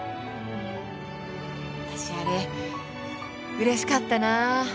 わたしあれうれしかったなぁ。